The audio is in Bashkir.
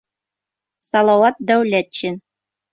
Салауат ДӘҮЛӘТШИН.